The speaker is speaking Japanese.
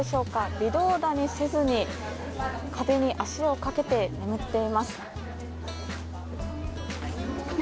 微動だにせずに壁に足をかけて眠っています。